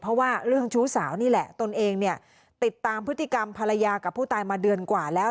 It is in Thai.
เพราะว่าเรื่องชู้สาวนี่แหละตนเองเนี่ยติดตามพฤติกรรมภรรยากับผู้ตายมาเดือนกว่าแล้ว